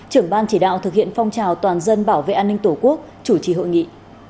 trưởng ban chỉ đạo thực hiện phong trào toàn dân bảo vệ an ninh tổ quốc chủ trì hội nghị